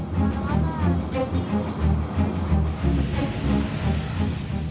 ketika di lantai truk bergerak ke lantai